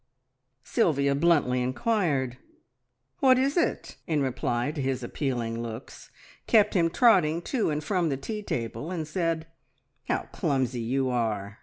Sylvia bluntly inquired, "What is it?" in reply to his appealing looks, kept him trotting to and from the tea table, and said, "How clumsy you are!"